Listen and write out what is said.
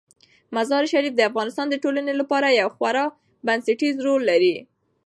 مزارشریف د افغانستان د ټولنې لپاره یو خورا بنسټيز رول لري.